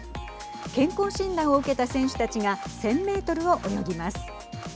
健康診断を受けた選手たちが１０００メートルを泳ぎます。